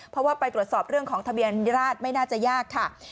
เพราะว่าไปตรวจสอบเรื่องของทะเบียนราชไม่น่าจะยากค่ะ